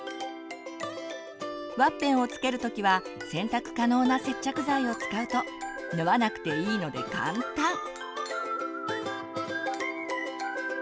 ワッペンをつける時は洗濯可能な接着剤を使うと縫わなくていいので簡単！